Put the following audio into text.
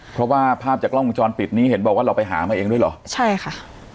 เพราะว่าภาพจากกล้องวงจรปิดนี้เห็นบอกว่าเราไปหามาเองด้วยเหรอใช่ค่ะ